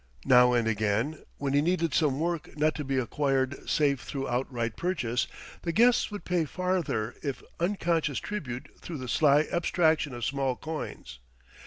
Now and again, when he needed some work not to be acquired save through outright purchase, the guests would pay further if unconscious tribute through the sly abstraction of small coins.